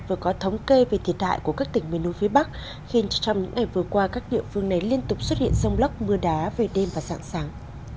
vừa có thống kê về thiệt hại của các tỉnh miền núi phía bắc khiến trong những ngày vừa qua các địa phương này liên tục xuất hiện rông lóc mưa đá về đêm và dạng sáng